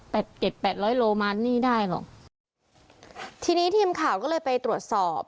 เจ็ดแปดร้อยโลมานี่ได้หรอกทีนี้ทีมข่าวก็เลยไปตรวจสอบ